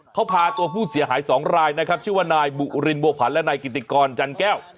เขาพาตัวผู้เสียหายสองรายนะครับชื่อว่านายบุรินบัวผันและนายกิติกรจันแก้ว